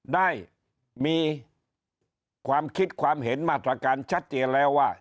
ได้มีความคิดความเห็นมาตรการชัดเจนแล้วว่า